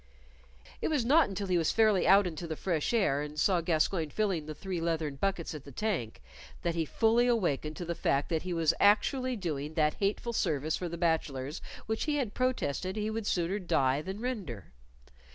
It was not until he was fairly out into the fresh air and saw Gascoyne filling the three leathern buckets at the tank, that he fully awakened to the fact that he was actually doing that hateful service for the bachelors which he had protested he would sooner die than render.